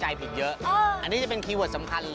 หายขาย